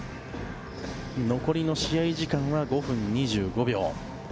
残りの試合時間は５分２５秒。